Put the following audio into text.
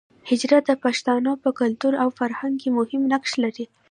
حجره د پښتانو په کلتور او فرهنګ کې مهم نقش لري